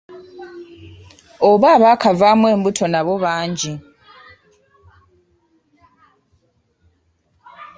Oba abaakavaamu embuto nabo bangi.